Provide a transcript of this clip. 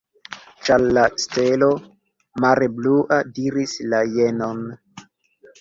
Ĉar la stelo, mare blua, diris la jenon.